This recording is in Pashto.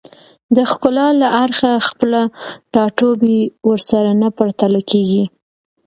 د ښکلا له اړخه خپل ټاټوبی ورسره نه پرتله کېږي